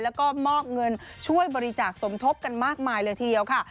แล้วก็มอบเงินช่วยบริจาคสมทบกันมากมายเลยทีเดียวค่ะ